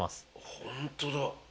本当だ。